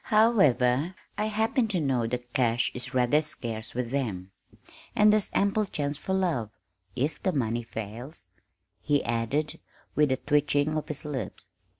However, I happen to know that cash is rather scarce with them and there's ample chance for love, if the money fails," he added, with a twitching of his lips.